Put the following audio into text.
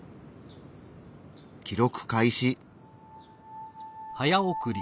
記録開始。